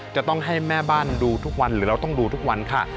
จะต้องให้แม่บ้านดูทุกวันหรือเราต้องดูทุกวันค่ะ